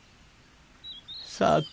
さて。